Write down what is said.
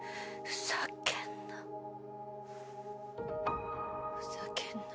ふざけんな。